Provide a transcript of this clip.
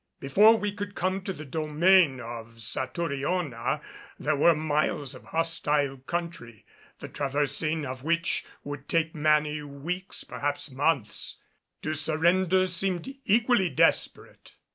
Before we could come to the domain of Satouriona there were miles of hostile country, the traversing of which would take many weeks, perhaps months. To surrender seemed equally desperate.